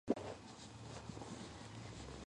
წყლის კონცენტრირებული გამხსნელები ფეთქებადია.